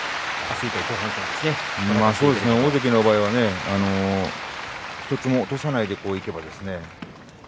大関の場合には１つも落とさないでいけばですね